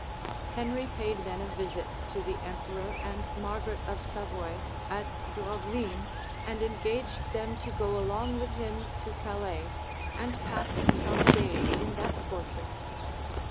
Henry paid then a visit to the emperor and Margaret of Savoy at Gravelines, and engaged them to go along with him to Calais, and pass some days in that fortress.